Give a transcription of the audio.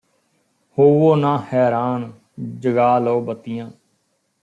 ਹੋਵੋ ਨਾ ਹੈਰਾਨ ਜਗਾ ਲਉ ਬੱਤੀਆਂ